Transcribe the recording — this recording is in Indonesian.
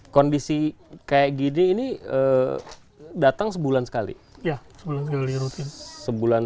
kondisi kayak gede ini eh datang sebulan sekali sebulan sekali sebulan